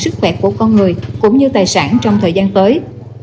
sức khỏe của con người cũng như tài sản trong thời gian tới